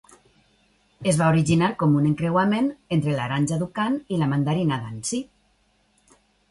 Es va originar com un encreuament entre l'aranja Duncan i la mandarina Dancy.